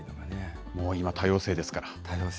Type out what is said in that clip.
もう今、多様性ですから。